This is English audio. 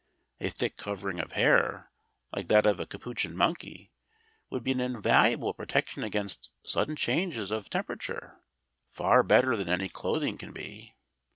A thick covering of hair, like that of a Capuchin monkey, would be an invaluable protection against sudden changes of temperature, far better than any clothing can be.